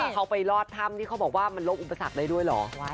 เขาไปรอดถ้ำที่เขาบอกว่ามันลบอุปสรรคได้ด้วยเหรอ